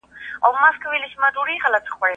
له بدې رویې څخه تل ځان وساتئ.